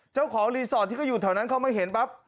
เจ้าของรีสอร์ทที่เขาอยู่แถวนั้นเขามาเห็นปั๊บ